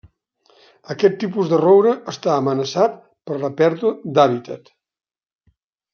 Aquest tipus de roure està amenaçat per la pèrdua d'hàbitat.